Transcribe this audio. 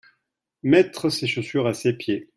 Mettre ses chaussures à ses pieds.